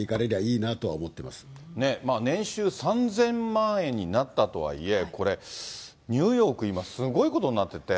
いいなと思って年収３０００万円になったとはいえ、これ、ニューヨーク、今すごいことになってて。